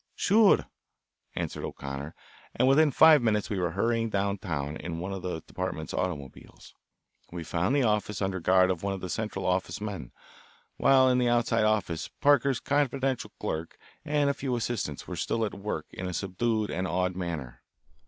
"Sure," answered O'Connor, and within five minutes we were hurrying down town in one of the department automobiles. We found the office under guard of one of the Central Office men, while in the outside office Parker's confidential clerk and a few assistants were still at work in a subdued and awed manner.